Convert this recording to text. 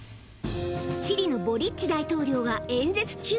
チリのボリッチ大統領が演説中。